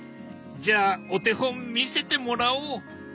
じゃあお手本見せてもらおう。